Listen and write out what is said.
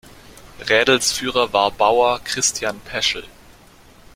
Rädelsführer war Bauer Christian Peschel.